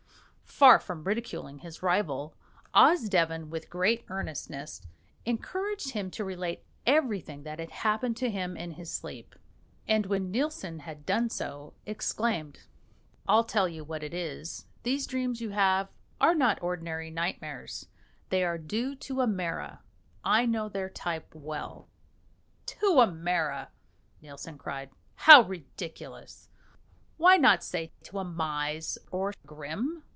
Far from ridiculing his rival, Osdeven, with great earnestness, encouraged him to relate everything that had happened to him in his sleep; and when Nielsen had done so, exclaimed, "I'll tell you what it is these dreams you have are not ordinary nightmares; they are due to a mara I know their type well." "To a mara!" Nielsen cried; "how ridiculous! Why not say to a mise or grim?